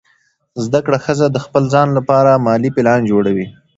زده کړه ښځه د خپل ځان لپاره مالي پلان جوړوي.